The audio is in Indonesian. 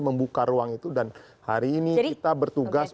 membuka ruang itu dan hari ini kita bertugas